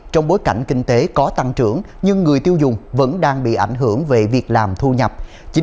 trong bối cảnh kinh tế vẫn còn khó khăn ảnh hưởng đến việc làm thu nhập